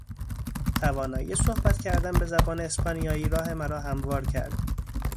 توانایی صحبت کردن به زبان اسپانیایی راه مرا هموار کرد.